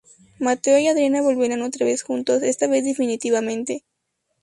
Mateo y Adriana volverán otra vez juntos, esta vez definitivamente.